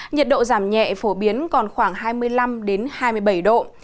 nhiệt độ giảm nhẹ phổ biến còn khoảng hai mươi năm hai mươi bảy độ